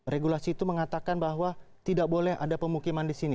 regulasi itu mengatakan bahwa tidak boleh ada pemukiman di sini